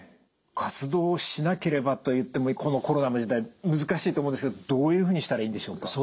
活動をしなければといってもこのコロナの時代難しいと思うんですけどどういうふうにしたらいいんでしょうか？